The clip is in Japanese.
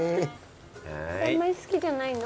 あんまり好きじゃないの？